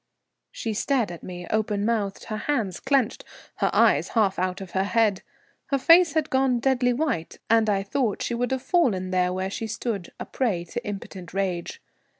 She stared at me open mouthed, her hands clenched, her eyes half out of her head. Her face had gone deadly white, and I thought she would have fallen there where she stood, a prey to impotent rage.